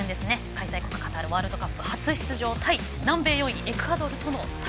開催国カタールワールドカップ初出場対南米エクアドル。